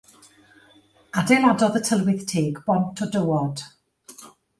Adeiladodd y tylwyth teg bont o dywod.